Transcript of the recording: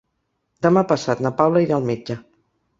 Demà passat na Paula irà al metge.